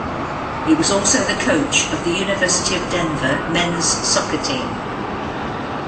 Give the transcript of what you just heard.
He was also the coach of the University of Denver men's soccer team.